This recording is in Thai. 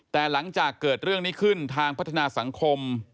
แต่หลังจากเกิดเรื่องนี้ขึ้นทางพัฒนาสังคม